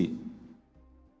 beli dari luar negara